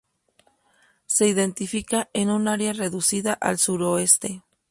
Se identifica en una área reducida al suroeste.